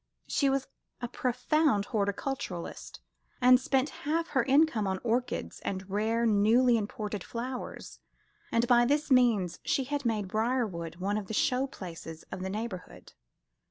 She was a profound horticulturist, and spent half her income on orchids and rare newly imported flowers, and by this means she had made Briarwood one of the show places of the neighbourhood.